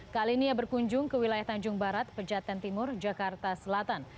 kali ini ia berkunjung ke wilayah tanjung barat pejaten timur jakarta selatan